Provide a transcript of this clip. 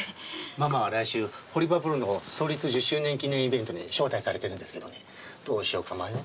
ママは来週堀場プロの創立１０周年記念イベントに招待されてるんですけどねどうしようか迷って。